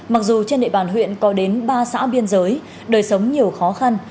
mặc dù trên địa bàn huyện có đến ba xã biên giới đời sống nhiều khó khăn